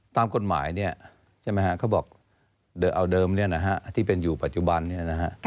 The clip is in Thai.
ตามกฎหมายเนี่ยใช่ไหมฮะเขาบอกเอาเดิมเนี่ยนะฮะที่เป็นอยู่ปัจจุบันเนี่ยนะฮะ